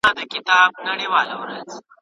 خو عقل يې رد نه کړ.